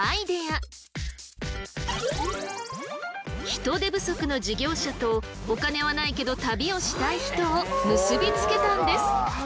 人手不足の事業者とお金はないけど旅をしたい人を結び付けたんです。